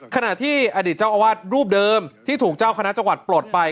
ขณะที่อดีตเจ้าอาวาสรูปเดิมที่ถูกเจ้าคณะจังหวัดปลดไป